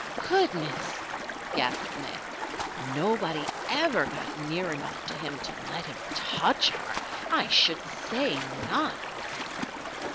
"Goodness!" gasped May. "Nobody ever got near enough to him to let him touch her! I should say not!"